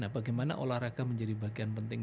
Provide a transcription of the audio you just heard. bagaimana olahraga menjadi bagian penting